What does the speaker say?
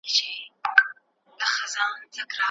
اکا دي مېلمه راغلی دی.